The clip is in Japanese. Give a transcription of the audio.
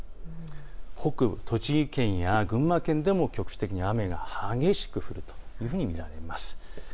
北部、栃木県や群馬県でも局地的に雨が激しく降るというふうに見られます。